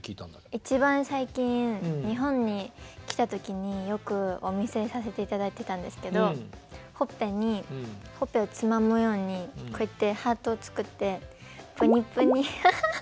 一番最近日本に来た時によくお見せさせて頂いてたんですけどほっぺにほっぺをつまむようにこうやってハートを作ってぷにぷにハハハ。